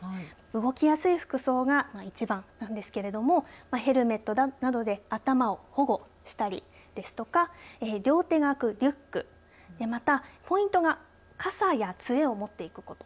動きやすい服装が一番なんですけれどもヘルメットなどで頭を保護したりですとか両手が空くリュックまたポイントが傘やつえを持っていくこと。